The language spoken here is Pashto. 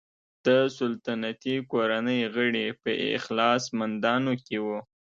د سلطنتي کورنۍ غړي په اخلاصمندانو کې وو.